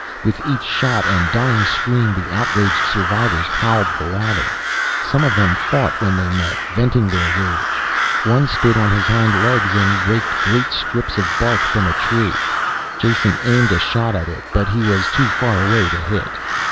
With each shot and dying scream the outraged survivors howled the louder. Some of them fought when they met, venting their rage. One stood on his hind legs and raked great strips of bark from a tree. Jason aimed a shot at it, but he was too far away to hit.